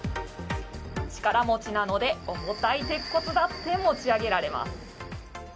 力持ちなので重たい鉄骨だって持ち上げられます。